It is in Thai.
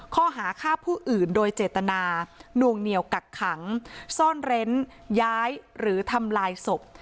ข้อหาฆ่าผู้อื่นโดยเจตนานวงเหนียวกักขังซ่อนเร้นย้ายหรือทำลายศพ